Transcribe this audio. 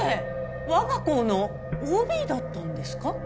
我が校のＯＢだったんですか？